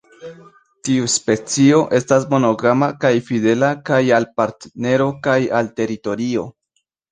Tiu specio estas monogama kaj fidela kaj al partnero kaj al teritorio.